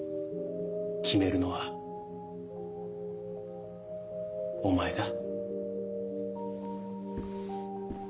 決めるのはお前だ。